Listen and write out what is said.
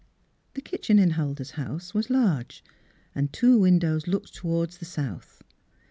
The kitchen in Huldah's house was large and two windows looked toward the south.